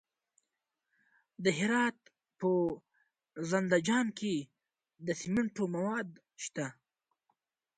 د هرات په زنده جان کې د سمنټو مواد شته.